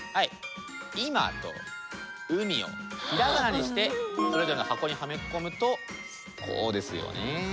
「今」と「海」を平仮名にしてそれぞれの箱にはめ込むとこうですよね。